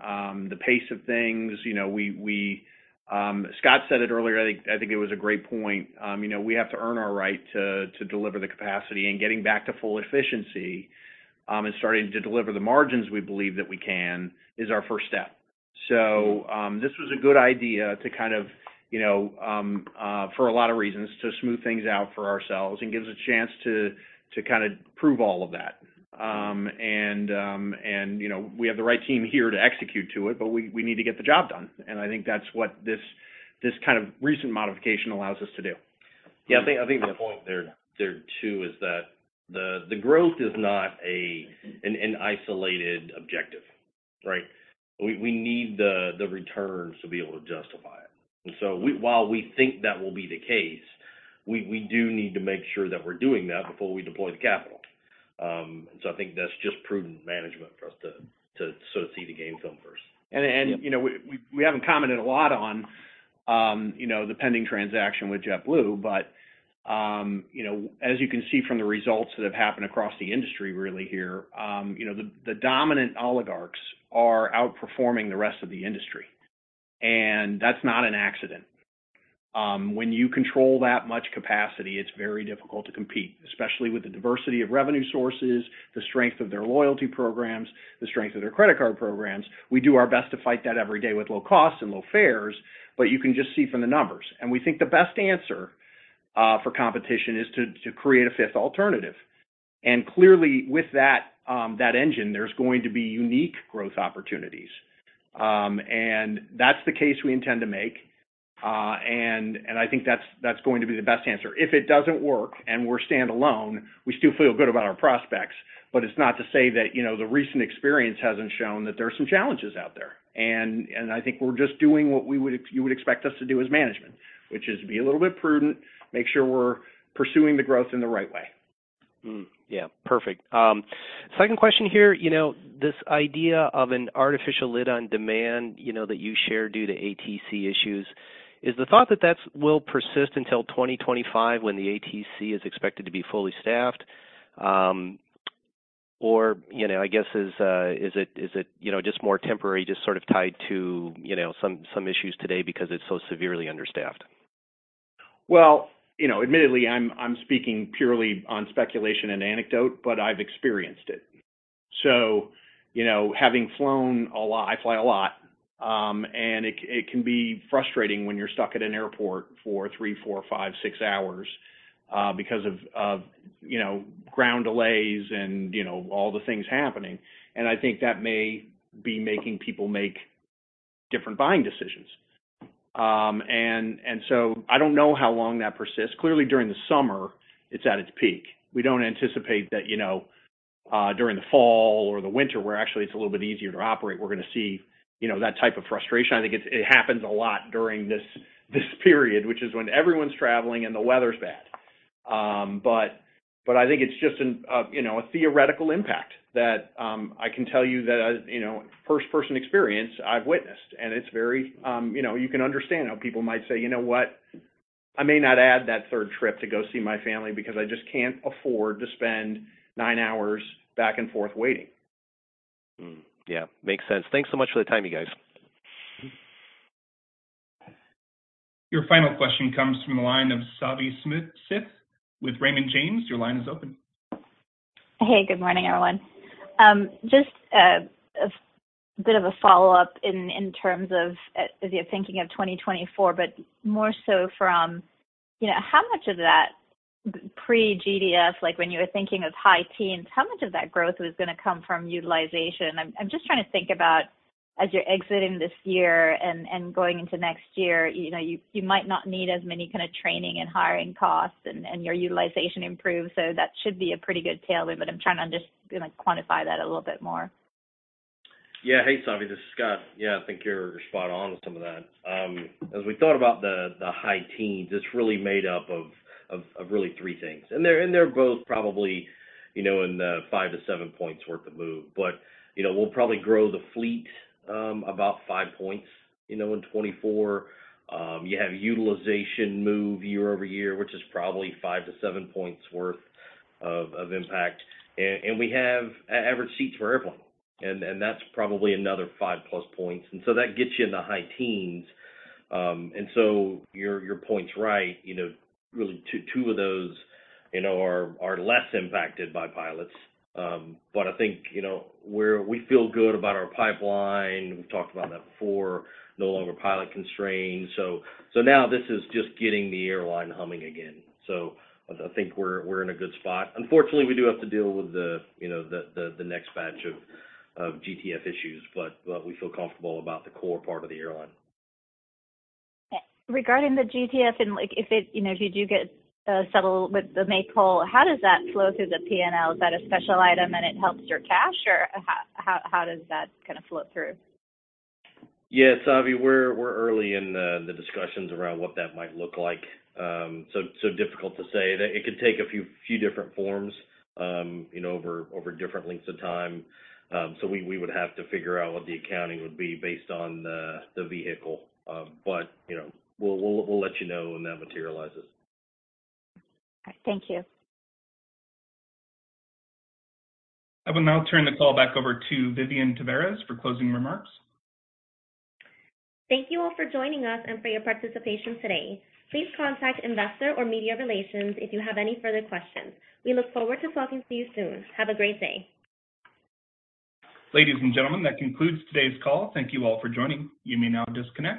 the pace of things. You know, we, we, Scott said it earlier, I think, I think it was a great point. You know, we have to earn our right to, to deliver the capacity. Getting back to full efficiency, and starting to deliver the margins we believe that we can, is our first step. This was a good idea to kind of, you know, for a lot of reasons, to smooth things out for ourselves and gives us a chance to, to kinda prove all of that. You know, we have the right team here to execute to it, but we, we need to get the job done. I think that's what this, this kind of recent modification allows us to do. Yeah, I think, I think the point there, there too, is that the, the growth is not an isolated objective, right? We, we need the, the returns to be able to justify it. So while we think that will be the case, we, we do need to make sure that we're doing that before we deploy the capital. So I think that's just prudent management for us to, to sort of see the game film first. And, you know, we, we, we haven't commented a lot on, you know, the pending transaction with JetBlue. You know, as you can see from the results that have happened across the industry really here, you know, the dominant oligarchs are outperforming the rest of the industry, and that's not an accident. When you control that much capacity, it's very difficult to compete, especially with the diversity of revenue sources, the strength of their loyalty programs, the strength of their credit card programs. We do our best to fight that every day with low costs and low fares, but you can just see from the numbers. We think the best answer for competition is to, to create a fifth alternative. Clearly, with that, that engine, there's going to be unique growth opportunities. That's the case we intend to make. And I think that's, that's going to be the best answer. If it doesn't work and we're standalone, we still feel good about our prospects, but it's not to say that, you know, the recent experience hasn't shown that there are some challenges out there. And I think we're just doing what we would you would expect us to do as management, which is be a little bit prudent, make sure we're pursuing the growth in the right way. Yeah. Perfect. Second question here. You know, this idea of an artificial lid on demand, you know, that you share due to ATC issues, is the thought that that will persist until 2025, when the ATC is expected to be fully staffed? Or, you know, I guess, is it, is it, you know, just more temporary, just sort of tied to, you know, some, some issues today because it's so severely understaffed? Well, you know, admittedly, I'm, I'm speaking purely on speculation and anecdote, but I've experienced it. You know, having flown a lot. I fly a lot, and it, it can be frustrating when you're stuck at an airport for three, four, five, six hours, because of, of, you know, ground delays and, you know, all the things happening. I think that may be making people make different buying decisions. So I don't know how long that persists. Clearly, during the summer, it's at its peak. We don't anticipate that, you know, during the fall or the winter, where actually it's a little bit easier to operate, we're gonna see, you know, that type of frustration. I think it's, it happens a lot during this, this period, which is when everyone's traveling and the weather's bad. I think it's just an, you know, a theoretical impact that, I can tell you that, you know, first-person experience, I've witnessed, and it's very, You know, you can understand how people might say: You know what? I may not add that third trip to go see my family because I just can't afford to spend 9 hours back and forth waiting. Hmm. Yeah, makes sense. Thanks so much for the time, you guys. Your final question comes from the line of Savi Syth with Raymond James. Your line is open. Hey, good morning, everyone. Just a bit of a follow-up in, in terms of, as you're thinking of 2024, but more so from, you know, how much of that pre-GTF, like, when you were thinking of high teens, how much of that growth was gonna come from utilization? I'm, I'm just trying to think about as you're exiting this year and, and going into next year, you know, you, you might not need as many kind of training and hiring costs, and, and your utilization improves, so that should be a pretty good tailwind. I'm trying to just, you know, quantify that a little bit more. Yeah. Hey, Savi, this is Scott. Yeah, I think you're spot on with some of that. As we thought about the, the high teens, it's really made up of, of, of really 3 things. They're, and they're both probably, you know, in the 5-7 points worth of move. You know, we'll probably grow the fleet, about 5 points, you know, in 2024. You have utilization move year-over-year, which is probably 5-7 points worth of, of impact. We have average seats for everyone, and that's probably another 5+ points, and so that gets you in the high teens. Your, your point's right, you know, really 2, 2 of those, you know, are, are less impacted by pilots. I think, you know, we feel good about our pipeline. We've talked about that before, no longer pilot constrained. Now this is just getting the airline humming again. I, I think we're, we're in a good spot. Unfortunately, we do have to deal with the, you know, the next batch of GTF issues, but we feel comfortable about the core part of the airline. Okay. Regarding the GTF, and, like, if it, you know, if you do get settled with the make-whole, how does that flow through the PNL? Is that a special item, and it helps your cash, or how, how, how does that kind of flow through? Yeah, Savi, we're, we're early in the, the discussions around what that might look like. So difficult to say. It could take a few, few different forms, you know, over, over different lengths of time. We, we would have to figure out what the accounting would be based on the, the vehicle. You know, we'll, we'll, we'll let you know when that materializes. Thank you. I will now turn the call back over to Vivian Tavares for closing remarks. Thank you all for joining us and for your participation today. Please contact Investor or Media Relations if you have any further questions. We look forward to talking to you soon. Have a great day. Ladies and gentlemen, that concludes today's call. Thank you all for joining. You may now disconnect.